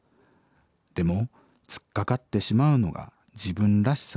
でも突っかかってしまうのが自分らしさでもある。